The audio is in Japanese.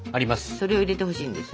それを入れてほしいんです。